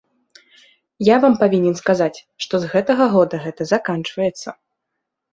Я вам павінен сказаць, што з гэтага года гэта заканчваецца.